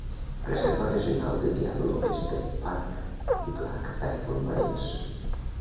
Reserva Regional de Diablo State Park i Black Diamond Mines.